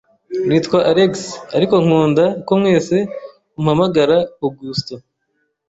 Nitwa Alex, ariko nkunda ko mwese umpamagara Augusto.